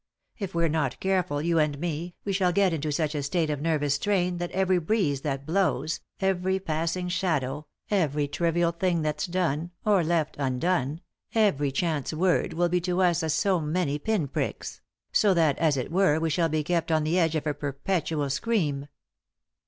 If we're not careful, you and me, we shall get into such a state of nervous strain that every breeze that blows, every passing shadow, every trivial thing that's done or left undone, every chance word, will be to us as so many pin pricks ; so that, as it were, we shall be kept on the edge of a perpetual scream.